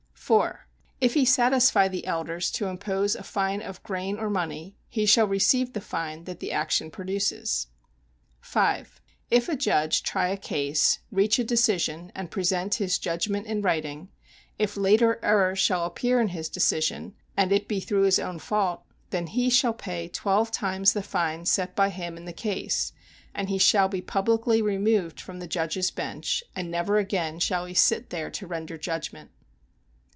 4. If he satisfy the elders to impose a fine of grain or money, he shall receive the fine that the action produces. 5. If a judge try a case, reach a decision and present his judgment in writing; if later error shall appear in his decision, and it be through his own fault, then he shall pay twelve times the fine set by him in the case, and he shall be publicly removed from the judge's bench, and never again shall he sit there to render judgment.